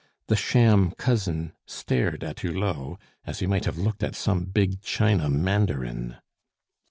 The sham cousin stared at Hulot as he might have looked at some big China mandarin.